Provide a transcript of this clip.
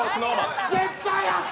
絶対あった！